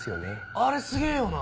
あれすげぇよな！